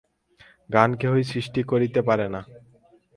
জ্ঞান কেহই সৃষ্টি করিতে পারে না।